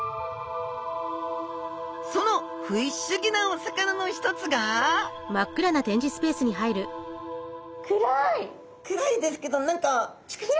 そのフィッシュギなお魚の一つが暗いですけど何かチカチカ。